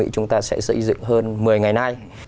chúng ta sẽ xây dựng hơn một mươi ngày nay